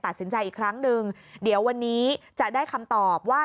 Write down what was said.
ตัดสินใจอีกครั้งนึงเดี๋ยววันนี้จะได้คำตอบว่า